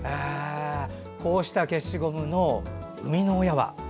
こうした消しゴムの生みの親は？